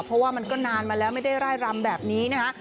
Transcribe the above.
เพราะว่ามันก็นานมาแล้วไม่ได้ร่ายรำแบบนี้นะคะ